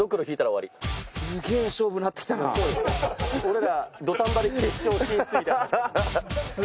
俺ら土壇場で決勝進出みたいな。